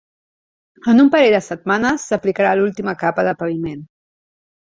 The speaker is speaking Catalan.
En un parell de setmanes, s'aplicarà l'última capa de paviment.